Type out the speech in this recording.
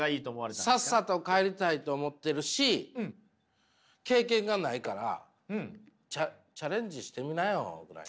さっさと帰りたいと思ってるし経験がないからチャレンジしてみなよぐらいの。